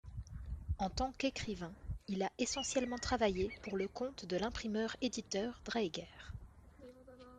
En tant qu'écrivain, il a essentiellement travaillé pour le compte de l'imprimeur-éditeur Draeger.